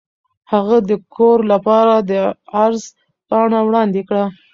هغه د کور لپاره عرض پاڼه وړاندې کړه.